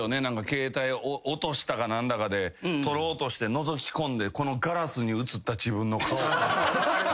携帯落としたか何だかで取ろうとしてのぞきこんでこのガラスに映った自分の顔。